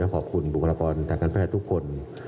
และขอบคุณบุคลศ์การแพทย์ทุกคน